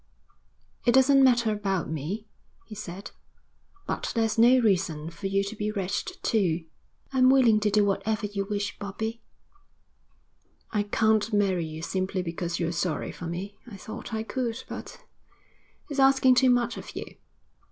'It doesn't matter about me,' he said. 'But there's no reason for you to be wretched, too.' 'I'm willing to do whatever you wish, Bobbie.' 'I can't marry you simply because you're sorry for me. I thought I could, but it's asking too much of you.